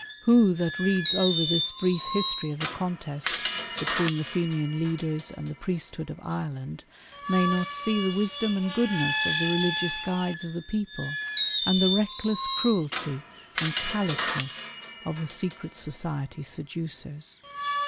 Who that reads over this brief history of the contest between the Fenian leaders and the priesthood of Ireland, may not see the wisdom and goodness of the religious guides of the people, and the reckless cruelty and callousness of the secret society seducers